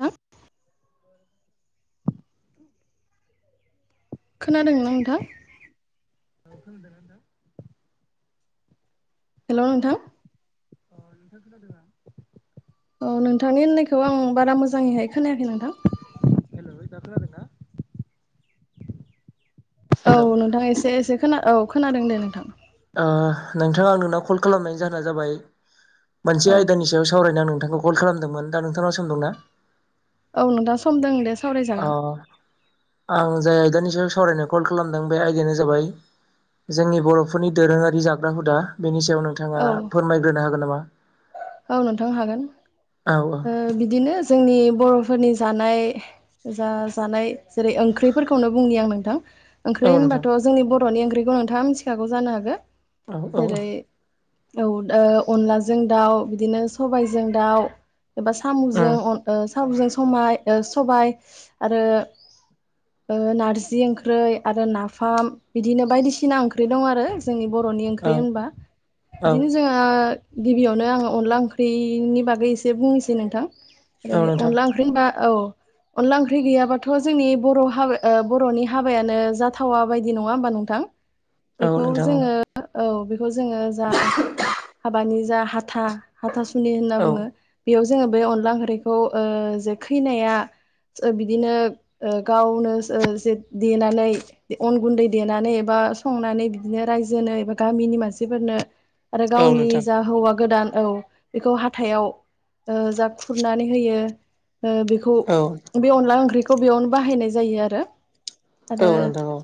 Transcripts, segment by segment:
नोंथां खोनादों आं नोंथां? औ खोनादोंना नोंथां? हेल' नोंथां अ नोंथां खोनदों ना औ नोंथांनि होननायखौ आं बारा मोजाङैहाय खोनायाखै नोंथां हेलौ दा खोनादोंना? औ नोंथां एसे एसे खोना औ खोनादों दे नोंथां ओ नोंथां आं नोंनाव कल खालामनायनि जाहोना जाबाय मोनसे औ आयदानि सायाव सावरायनो आं नों थांखौ कल खालामदोंमोन दा नोंथांनाव सम दंना? औ नोंथां सम दों दे अ सावरायजागोन आं जाय आयदानि सायाव सावरायनो कल खालामदों बे आयदायानो जाबाय जोंनि बर'फोरनि दोरोङारि जाग्रा हुदा बेनि सायाव नोंथाङा औ फोरमायग्रोनो हागोन नामा? औ नोंथां हागोन औ ओ बिदिनो जोंनि बर'फोरनि जानाय जा जानाय जेरै ओंख्रिफोरखौनो बुंनि आं नोंथां औ ओंख्रि नोंथां होनबाथ' जोंनि बर'नि ओंख्रिखौ नोंथाङा मिथिखागौ जानो हागो औ औ जेरै औ अनलाजों दाउ, बिदिनो सबायजों दाउ, एबा साम'जों उम अ साम'जों समा सबाय आरो ओ नारजि ओंख्रै आरो नाफाम बिदिनो बायदिसिना ओंख्रि दं आरो जोंनि बर'नि ओंख्रि औ होनबा औ बिदिनो जोंहा गिबियावनो आङो अनला ओंख्रिनि बागै एसे बुंनोसै नोंथां ओ औ नोंथां अनला ओंख्रि होनबा औ अनला ओंख्रि गैयाबाथ' जोंनि बर' हाबा बर'नि हाबायानो जाथावा बायदि नङा होमबा नोंथां [inaudible] बेखौ नोंथां जोङो औ बेखौ जोङो जा हाबानि जा हा था हाथासुनि होनना औ बुङो बेयाव जोङो बे अनला ओंख्रिखौ ओ जे खैनाया बिदिनो ओ गावनो ओ देनानै अन गुन्दै देनानै एबा बा संनानै बिदिनो रायजोनो एबा गामिनि मानसिफोरनो आरो औ गावनि नोंथां जा हौवा गोदान औ बेखौ हाथायाव ओ जा खुरनानै होयो बेखौ औ बे अनला ओंख्रिखौ बेयावनो बाहायनाय जायो आरो औ आरो नोंथां औ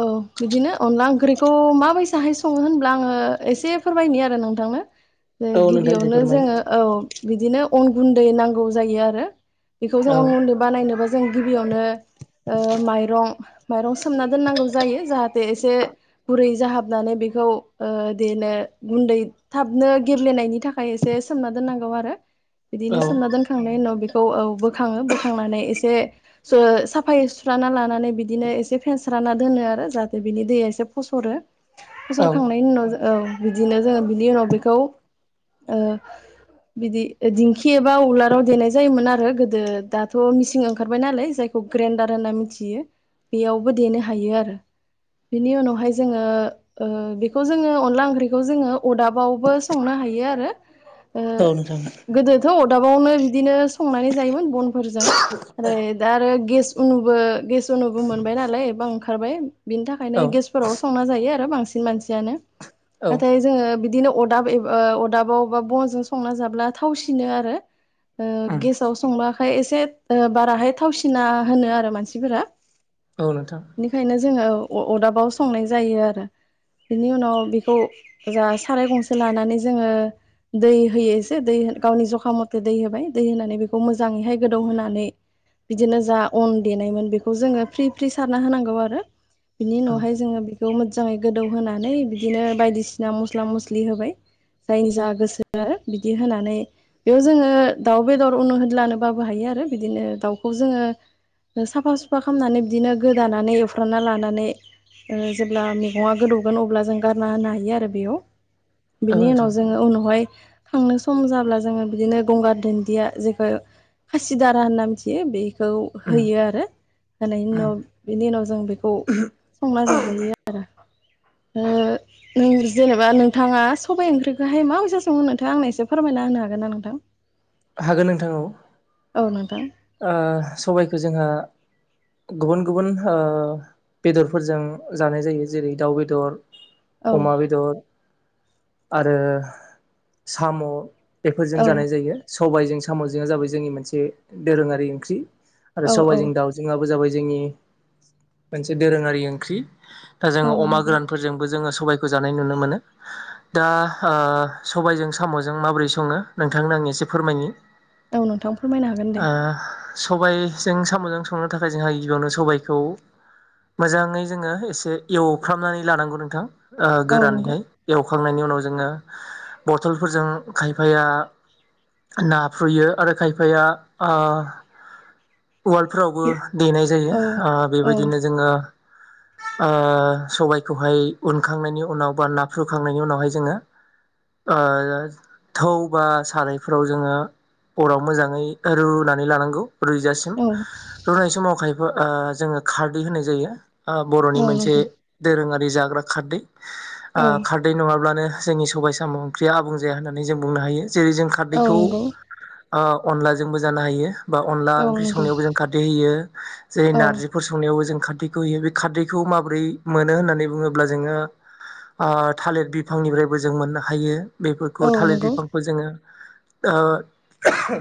औ बिदिनो अनला ओंख्रिखौ माबायदिाहाय सङो होनब्ला आङो एसे फोरमायनि आरो नोंथांनो औ नोंथां दे गिबियावनो फोरमाय जोङो औ बिदिनो अन गुन्दै नांगौ जायो आरो बेखौ जों औ उन उन्दै बानायनोबा जों गिबियावनो माइरं माइरं सोमना दोननांगौ जायो जाहाथे एसे गुरै जाहाबनानै बेखौ देनो गुन्दै थाबनो गेब्लेनायनि थाखाय एसे सोमना दोननांगौ आरो बिदिनो औ सोमना दोनखांनायनि उनाव बे खौ औ बोखाङो बोखांनानै एसे सो साफायै सुस्राना लानानै बिदिनो एसे फेनस्रा ना दोनो आरो जाहाथे बिनि दैया एसे फसरो फसरखांनायनि उनाव औ बिदिनो जोङो बिनि उनाव बेखौ ओ बिदि दिंखि एबा उलाराव देनाय जायोमोन आरो गोदो दाथ' मिसिं ओंखारबाय नालाय जाय खौ ग्रेन्डार होनना मिथियो बेयावबो देनो हायो आरो। बेनि उनावहाय जोङो ओ बेखौ जोङो अनला ओंख्रिखौ जोङो अदाबावबो संनो हायो आरो। औ नोंथां। दाबावनो बिदिनो संनानै जायोमोन बनफोरजों फ्राय दा आरो गेस उनुबो गेस उनुबो मोनबाय नालाय एबा ओंखारबाय बिनि थाखायनो औ गेसफोराव संना जायो आरो बां सिन मानसियानो औ नाथाय जोङो बिदिनो अदाब एब ओ अदाबावबा बनजों संना जाब्ला थावसिनो आरो। ओ उम गेसाव संबाखाय एसे बाराहाय थावसिना होनो आरो मानसिफोरा। औ नोंथां बेनिखायनो जोङो औ। अ-अदाबाव संनाय जायो आरो बिनि उनाव बेखौ जास खाराय गंसे लानानै जोङो दै होयोसो दै गावनि जखा मथे दै होबाय दै होनानै बेखौ मोजाङैहाय गोदौ होनानै। बिदिनो जा अन देनायमोन बेखौ जोङो फ्रि फ्रि सारना होनांगौ आरो। बिनि औ उनावहाय जोङो बेखौ मोदजाङै गोदौहोनानै बिदिनो बायदिसिना मस्ला-मस्लि होबाय। जायनि जा गोसो आरो बिदि होनानै बेयाव जोङो दाउ बेदर अनु होदलानोबो हायो आरो बिदिनो दाउखौ जोङो साफा सुफा खालामनानै बिदिनो गोदानानै एवफ्रामना लानानै। ओ जेब्ला मेगङा गोदौगोन अब्ला जों गारना होनो हायो आरो बेयाव। औ बिनि उनाव नोंथां जोङो उनावहाय खांनो सम जाब्ला जोङो बिदिनो गंगार दोन्दिया जेखौ खासिदारा होनना मिथियो बे खौ उम होयो आरो। होनायनि उनाव बिनि उनाव जों बेखौ संना जाजायो आरो। ओ नों जेनेबा नों थाङा सबाइ ओंख्रिखोहाय माबायसा सङो नोंथां आंनो एसे फोरमायना होनो हागोन ना नोंथां? हागोन नोंथां औ। औ नोंथां। ओ सबायखौ जोंहा। गुबुन गुबुन ओ बेदरफोरजों जानाय जायो जेरै- दाउ बेदर। औ अमा बेदर आरो साम'। बेफोरजों औ जानाय जायो सबायजों साम'जोंआ जाबाय जोंनि मोनसे दोरोङारि ओंख्रि। आरो औ औ सबाइजों दाउजोंआबो जाबाय जोंनि मोनसे दोरोङारि ओंख्रि। दा औ जोङो अमा नंगौ गोरानफोरजोंबो जोङो स सबायखौ जानाय नुनो मोनो दा सबायजों साम'जों माबोरै सङो नोंथांनो आं आं एसे फोरमायनि। औ नोंथां फोरमायनो हा ओ सबायजों साम'जों संनो थाखाय जोंहा गिबियावनो सबायाइखौ। मोजाङै जोङो एसे एवफ्रामनानै लानांगौ नोंथां ओ औ नंगौ गोरानैहाय एव खांनायनि उनाव जोङो बथलफोरजों खायफाया नाफ्रुयो आरो खायफाया ओ उवालफोरावबो औ देनाय जायो औ औ बेबायदिनो जोङो [unintelligible] ओ सबायखौहाय उनखांनायनि उनाव बा नाफ्रुखांनायनि उनावहाय जोङो। ओ थौ बा सारायफोराव जोङो अराव मोजाङै। रुनानै लानांगौ रुइजासिम औ रुनाय समाव खाय [unintelligible] ओ जोङो खारदै होननाय जायो ओ बर'नि मोनसे नंगौ दोरोङारि जाग्रा खारदै। औ ओ खारदै नङाब्लानो जोंनि सबाय साम' ओंख्रिया आबुं जाया होननानै जों बुंनो हायो। जेरै- जों औ खारदैखौ नंगौ ओ अनलाजोंबो जानो हायो। बा अनला औ ओंख्रि नंगौ संनायावबो जों खारदै होयो जेरै- औ नारजिफोर संनायावबो जों खारदैखौ होयो बे खारदैखौ माबोरै मोनो होन्नानै बुङोब्ला जोङो ओ थालिर बिफांनिफ्रायबो जों मोननो हायो औ बेफोरखौ थालिर नंगौ बिफांखौ जोङो ओ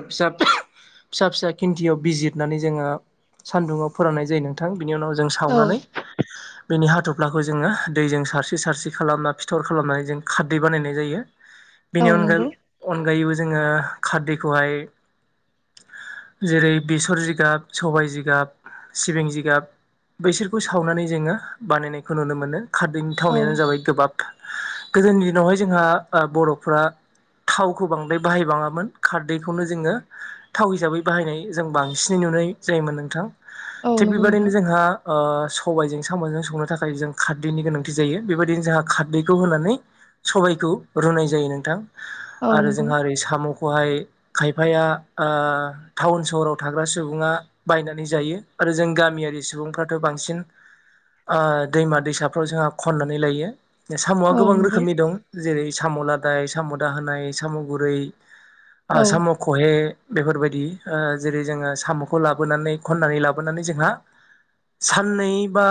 फिसा फिसा फिसा खिन्थियाव बिजितनानै जोंङो सानदुङाव फोराननाय जायो नोंथां। बिनि उनाव जों औ सावनानै बेनि हाथ'फ्लाखौ जोङो दैजों सारस्रि सारस्रि खालामना फिथर खालामनानै जों खारदै बानायनाय जायो। बेनि नंगौ अनगायै-अनगायैबो जोङो खारदैखौहाय जेरै बेसर जिगाब, सबाय जिगाब, सिबिं जिगाब बैसोरखौ सावनानै जोङो बानायनायखौ नुनो मोनो खारदैनि औ थावनायानो जाबाय गोबाब गोदोनि दिनावहाय जोंहा ओ बर'फ्रा थावखौ बांद्राय बाहायबाङामोन खारदैखौनो जोङो थाव हिसाबै बाहायनाय जों बांसिनै नुनाय जायोमोन नोंथां औ थिग नंगौ बेबायदिनो नोंथां जोंहा ओ सबायजों साम'जों संनो थाखाय जों खारदैनि गोनांथि जायो बेबायदिनो जोंहा खारदैखौ होनानै सबायखौ रुनाय जायो नोंथां। औ आरो नंगौ जोंहा ओरै साम'खौहाय खायफाया ओ टाउन सहराव थाग्रा सुबुङा बायनानै जायो आरो जों गामियारि सुबुंफ्राथ' बांसिन ओ दैमा दैसाफ्राव जोंहा खननानै लायो। साम'आ औ गोबां नंगौ रोखोमनि दं जेरै साम' लादाय, साम' दाहोनाय, साम' गुरै, ओ औ साम' ख'हे बेफोरबायदि ओ जेरै जोङो साम'खौ लाबोनानै खननानै लाबोनानै जोंहा साननै बा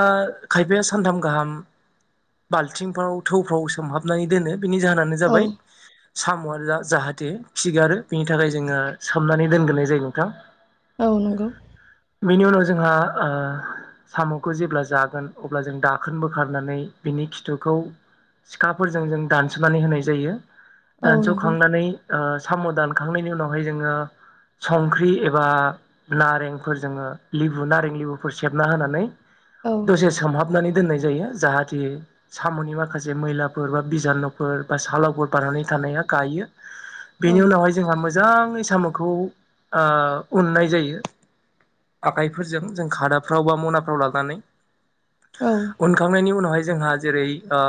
खायफाया सानथाम गाहाम बाल्थिंफ्राव थौफ्राव सोमहाबनानै दोनो। बिनि जाहोनानो औ जाबाय साम'आ जाहाथे खिगारो बिनि थाखाय जोङो सोमनानै दोनग्रोनाय जायो नोंथां। औ नंगौ। बेनि उनाव जोंहा ओ साम'खौ जेब्ला जागोन अब्ला जों दाखोन बोखारनानै बिनि खिथुखौ सिखाफोरजों जों दानस'नानै होनाय जायो। औ नंगौ दानस'खांनानै ओ साम' दानखांनायनि उनावहाय जोङो संख्रि एबा नारेंफोरजों लेबु नारें लेबुफोर सेबना होनानै औ दसे सोमहाबनानै दोननाय जायो जाहाथे साम'नि माखासे मैलाफोर बा बिजानुफोर बा सालावफोर बानानै था नाया गायो औ बेनि उनावहाय जोंहा मोजांयै साम'खौ ओ उननाय जायो। आखाइफोरजों जों खादाफ्राव बा मनाफ्राव लानानै औ उनखांनायनि उनावहाय जोंहा जेरै- ओ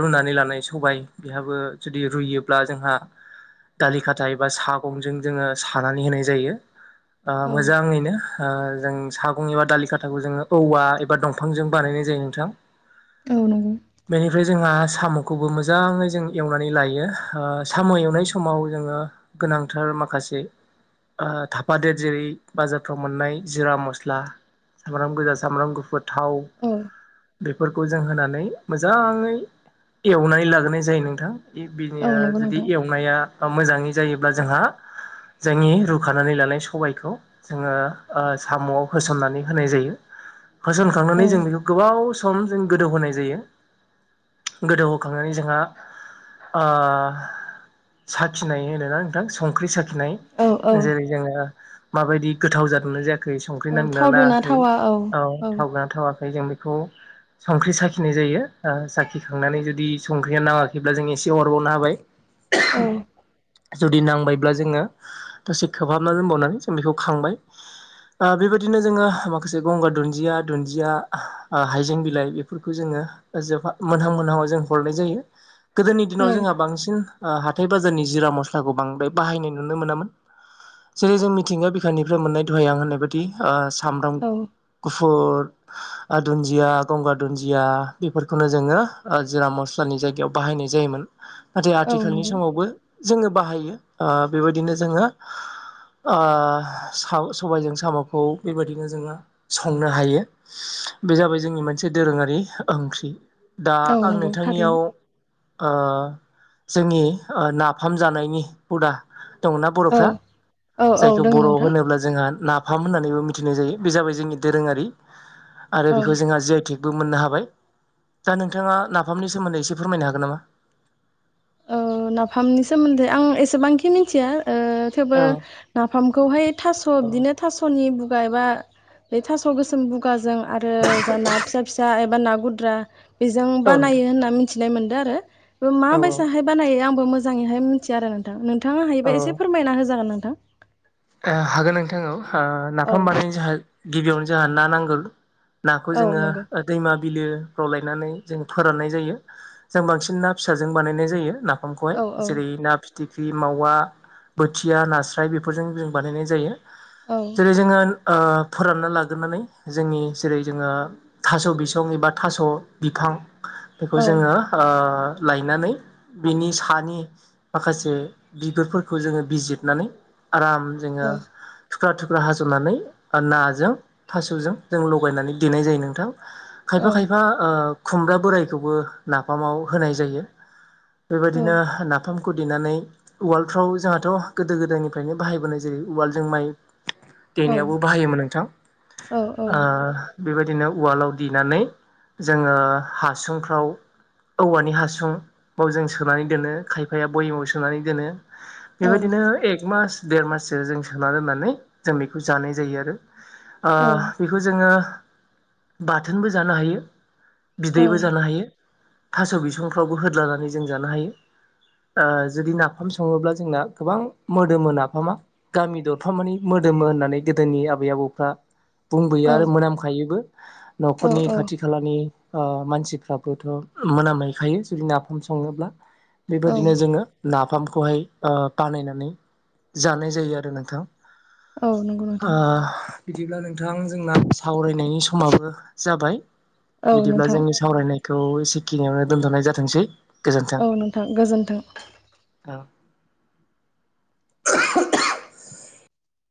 रुनानै लानाय सबाय बेहाबो जुदि रुयोब्ला जोंहा दालि खाथाय बा सा गंजों जोङो सानानै होनाय जायो ओ मोजाङैनो ओ जों सागं एबा दालि खाथाखौ जोङो औवा एबा दंफांजों बानायनाय जायो नोंथां नंगौ बेनिफ्राय जोंहा साम'खौबो मोजाङै जों एवनानै लायो ओ साम' एवनाय समाव जोङो गोनांथार माखासे ओ थाफादेर जेरै- बाजारफ्राव मोननाय जिरा मस्ला सामब्राम गोजा सामब्राम गुफुर थाव औ बेफोर खौ जों होनानै मोजाङै एवनानै लाग्रोनाय जायो नोंथां। औ बिदिनो नंगौ जुदि नोंथां एवनाया मोजाङै जायोब्ला जोंहा जोंनि रुखानानै लानाय सबायखौ जोङो साम'आव होसननानै होनाय जायो। औ होसनखांनानै जों बेखौ गोबाव सम जों गोदौ होनाय जायो। गोदौहोखांनानै जोंहा ओ साखिनाय होनो। नोंथां संख्रि साखिनाय औ औ जेरै जोङो माबायदि गोथाव जादोंमोन जाय खै संख्रि औ नांदोंना थावदुना नाङाखै थावा औ ओ औ थाव गोना थावाखै जों बेखौ संख्रि साखिनाय जायो साखिखांनानै जुदि संख्रिया नाङाखैब्ला जों एसे हरबावनो हाबाय। औ जुदि नांबायब्ला जोङो दसे खोबहाबना दोनबावनानै जों बेखौ खांबाय बेबायदिनो जोङो माखासे गंगार दुन्दिया दुन्दिया हाइजें बिलाइ बेफोरखौ जोङो जोहा मोनहां मोनहां आव जों हरनाय जायो। गोदोनि औ दिनाव जोंहा बांसिन ओ हाथाय बाजारनि जिरा मस्लाखौ बांद्राय बाहायनाय नुनो मोनामोन जेरै जों मिथिंगा बिखानिफ्राय मोननाय दहाय आं होननाय बायदि सामब्राम औ गुफुर दुन्दिया गंगार दुन्दिया बेफोरखौनो जोङो जिरा मस्लानि जायगायाव बाहायनाय जायोमोन। नाथाय औ आथिखालनि नंगौ समावबो जोङो बाहायो बेबायदिनो जोङो सबायजों साम'खौ बेबायदिनो जोङो संनो हायो। बे जाबाय जोंनि मोनसे दोरोङारि ओंख्रि दा औ आं नंगौ नोंथांनियाव थारैनो जोंनि नाफाम जानायनि हुदा दङ ना औ बर'फ्रा औ औ जायखौ दोङो बर'आव नोंथां होनोब्ला जोंहा ना फाम होननानैबो मिथिनाय जायो बे जाबाय जोंनि दोरोङारि आरो औ बेखौ जोंहा जि आइ टेक बो मोननो हाबाय दा नोंथाङा नाफामनि सोमोन्दै एसे फोरमायनो हागोन नामा? औ नाफामनि सोमोन्दै आं एसेबांखि मिथिया थेवबो औ नाफामखौहाय थास' औ बिदिनो थास'नि [unintelligible] बा ना गुद्रा बेजों औ बानायो नोंथां होनना मिथिना मोनदों आरो औ माबायस होननाय आंबो मोजाङैहाय मिन्थिया आरो नोंथां नोंथाङा हायोबा औ एसे औ फोरमायना होजागोन नोंथां ओ हागोन नोंथां औ हो औ नाफाम बानायनो जोंहा गिबियावनो जोंहा ना नांगोल नाखौ औ जोङो नंगौ दैमा बिलोफ्राव लायनानै जों फोराननाय जायो जों बांसिन ना फिसाजों बानायनाय जायो ना नामखौहाय औ औ जेरै ना फिथिख्रि मावा बोथिया नास्राय बेफोरजों जों बानायनाय जायो औ जेरै जोङो फोरानना लाग्रानै जोंनि जेरै जोङो थास' बिसं एबा थास' बिफां बेखौ औ जोङो लायनानै बिनि सानि माखासे बिगुरफोरखौ जोङो बिजिरनानै आराम जोङो औ थुख्रा थुख्रा हास'नानै नाजों थास'जों जों लगायनानै देनाय जायो नोंथां औ खायफा खायफा खुमब्रा बोरायखौबो नाफामाव होनाय जायो। बेबायदिनो नाफामखौ देनानै उवाडफ्राव जोंहाथ' गोदो गोदायनिफ्रायनो बाहायबोनाय। जेरै उवालजों माइ औ देनायावबो बाहायोमोन नोंथां औ ओ बेबायदिनो उवालाव देनानै जोङो हासुंफ्राव औवानि हासुं बाव जों सोनानै दोनो खायफाया बयेमाव सोनानै दोनो। औ बेबायदिनो एक मास देर माससो जों सोना दोननानै जों बेखौ जानाय जायो आरो आ बेखौ जोङो बाथोनबो जानो हायो। औ बिदैबो जानो हायो थास' बिसंफ्रावबो होद्लानानै जों जानो हायो। आ जुदि नाफाम सङोब्ला जोंना गोबां मोदोमो नाफामा। गामि दरफाम मानि मोदोमो होननानै गोदोनि आबै आबौफ्रा बुंबोयो आरो मोनामखायोबो। न'खरनि औ औ खाथि खालानि आ मानसिफ्राबोथ' मोनाहैखायो जुदि नाफाम सङोब्ला औ बेबादिनो जोङो नाफामखौहाय ओ बानायनानै जानाय जायो आरो नोंथां औ नंगौ ओ नोंथां। बिदिब्ला नोंथां जोंना सावरायनायनि समाबो जाबाय औ बिदिब्ला नोंथां जोंनि सावरायनाय खौ एसेखिनियावनो दोनथ'नाय जाथोंसै औ नोंथां गोजोन्थों। अ [unintelligible]